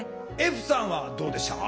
歩さんはどうでしたか？